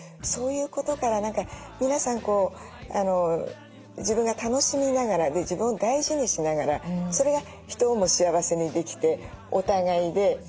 そういうことから何か皆さん自分が楽しみながら自分を大事にしながらそれが人をも幸せにできてお互いで。